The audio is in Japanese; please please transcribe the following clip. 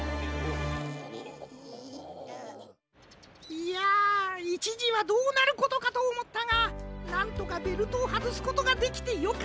いやいちじはどうなることかとおもったがなんとかベルトをはずすことができてよかったのう。